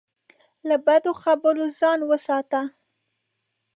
له بدو خبرو ځان وساته.